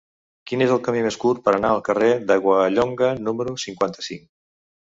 Quin és el camí més curt per anar al carrer d'Aiguallonga número cinquanta-cinc?